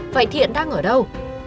vậy thiện đang ở đâu